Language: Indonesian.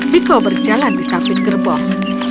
miko berjalan di samping gerbong